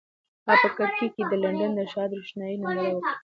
ما په کړکۍ کې د لندن د ښار د روښنایۍ ننداره وکړه.